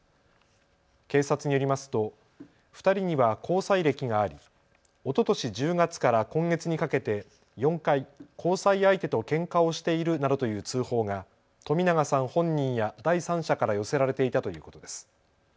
警察によりますと２人には交際歴がありおととし１０月から今月にかけて４回、交際相手とけんかをしているなどという通報が冨永さん本人や第三者から寄せられていたということです。